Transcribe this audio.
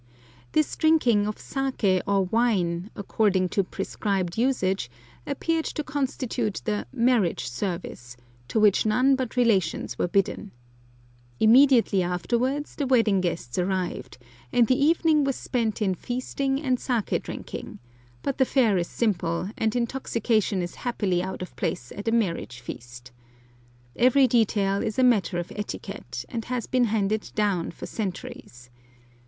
This drinking of saké or wine, according to prescribed usage, appeared to constitute the "marriage service," to which none but relations were bidden. Immediately afterwards the wedding guests arrived, and the evening was spent in feasting and saké drinking; but the fare is simple, and intoxication is happily out of place at a marriage feast. Every detail is a matter of etiquette, and has been handed down for centuries.